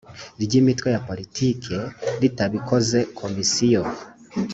ry imitwe ya politiki ritabikoze komisiyo